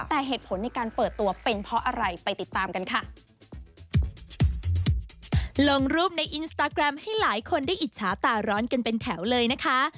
แต่เหตุผลในการเปิดตัวเป็นเพราะอะไรไปติดตามกันค่ะลงรูปในอินสตาแกรมให้หลายคนได้อิจฉาตาร้อนกันเป็นแถวเลยนะคะ